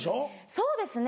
そうですね